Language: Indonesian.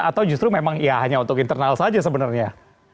atau justru memang ya hanya untuk internal saja sebenarnya